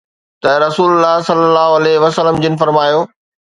ته رسول الله صلي الله عليه وسلم جن فرمايو